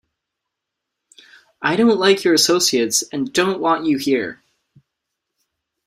I don't like your associates and don't want you here.